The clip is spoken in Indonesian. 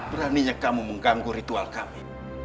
beraninya kamu mengganggu ritual kami